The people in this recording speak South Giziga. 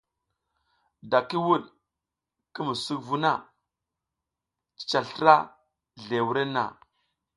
Da ki wuɗ ki musuk vu na, cica slra zle wurenna.